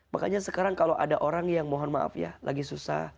makanya sekarang kalau ada orang yang mohon maaf ya lagi susah